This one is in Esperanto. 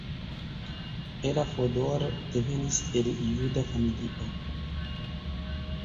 Ella Fodor devenis el juda familio.